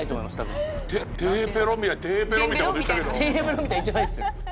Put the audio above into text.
テヘペロみたいな言ってないです。